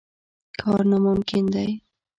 کار ناممکن دی.